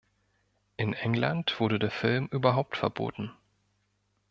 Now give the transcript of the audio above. In England wurde der Film überhaupt verboten.